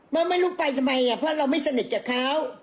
ไม่รู้ไปทำไมเพราะเราไม่สนิทกับเขา